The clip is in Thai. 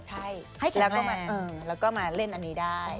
ใช่แล้วก็มาเล่นอันนี้ได้